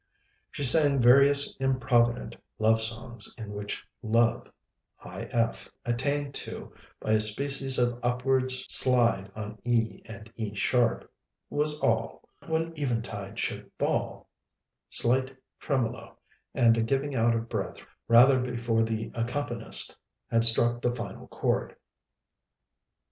She sang various improvident love songs in which Love high F, attained to by a species of upwards slide on E and E sharp was all, When eventide should fall slight tremolo and a giving out of breath rather before the accompanist had struck the final chord.